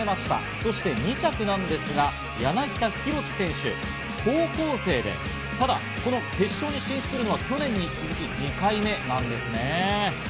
そして２着なんですが、柳田大輝選手、高校生でただ、この決勝に進出するのは去年に続き２回目なんですね。